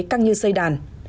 căng như dây đàn